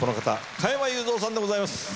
加山雄三さんでございます。